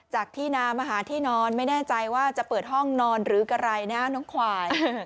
จากที่นามาหาที่นอนไม่แน่ใจว่าจะเปิดห้องนอนหรือกะไรนะน้องควาย